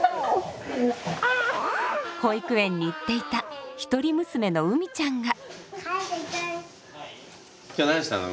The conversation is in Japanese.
保育園に行っていた一人娘の友海ちゃんが。